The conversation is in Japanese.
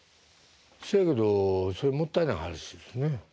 そやけどそれもったいない話ですね。